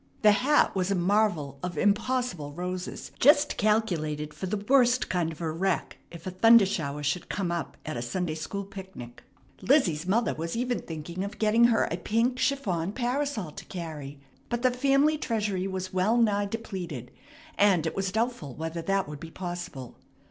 The hat was a marvel of impossible roses, just calculated for the worst kind of a wreck if a thunder shower should come up at a Sunday school picnic. Lizzie's mother was even thinking of getting her a pink chiffon parasol to carry; but the family treasury was well nigh depleted, and it was doubtful whether that would be possible.